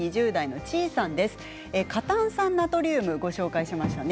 過炭酸ナトリウムご紹介しました。